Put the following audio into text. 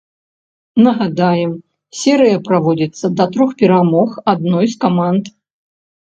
Нагадаем, серыя праводзіцца да трох перамог адной з каманд.